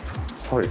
はい。